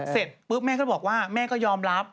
เสร็จปุ๊บแม่ก็บอกว่าแม่ก็ยอมรับ